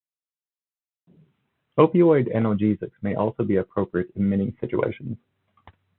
Opioid analgesics may also be appropriate in many situations.